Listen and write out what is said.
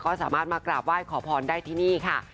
ก็สามารถมากราบไหว้ขอพรได้ที่นี่ค่ะ